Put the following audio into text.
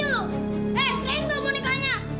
eh keren tuh bonekanya